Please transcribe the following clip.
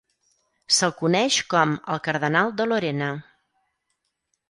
Se'l coneix com el cardenal de Lorena.